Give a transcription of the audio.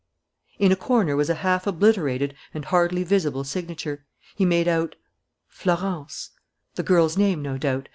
In a corner was a half obliterated and hardly visible signature. He made out, "Florence," the girl's name, no doubt.